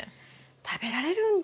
食べられるんだ。